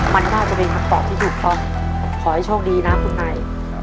มันน่าจะเป็นคำตอบที่ถูกต้องขอให้โชคดีนะคุณนาย